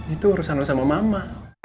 itu urusan lo sama mama